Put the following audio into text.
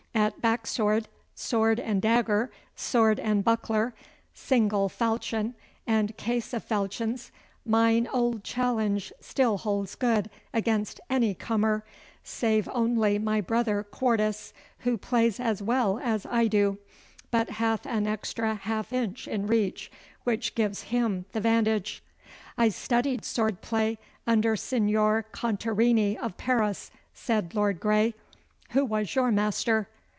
'At backsword, sword and dagger, sword and buckler, single falchion and case of falchions, mine old challenge still holds good against any comer, save only my brother Quartus, who plays as well as I do, but hath an extra half inch in reach which gives him the vantage.' 'I studied sword play under Signor Contarini of Paris,' said Lord Grey. 'Who was your master?